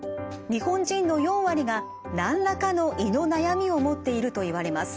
日本人の４割が何らかの胃の悩みを持っているといわれます。